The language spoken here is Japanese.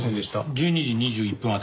１２時２１分ああ